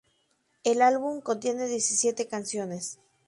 El álbum contiene diecisiete canciones.